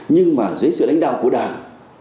nhưng mà dưới sự đánh đạo của đảng